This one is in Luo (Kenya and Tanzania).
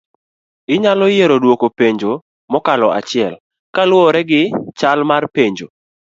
Inyalo yiero duoko penjo mokalo achiel kaluore gichal mar penjo